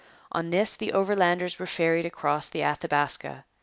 On this the Overlanders were ferried across the Athabaska.